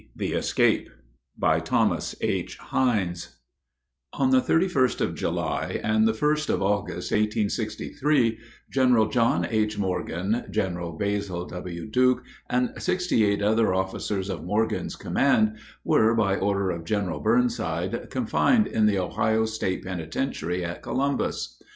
THE ESCAPE BY THOMAS H. HINES On the 31st of July and the 1st of August, 1863, General John H. Morgan, General Basil W. Duke, and sixty eight other officers of Morgan's command, were, by order of General Burnside, confined in the Ohio State Penitentiary at Columbus.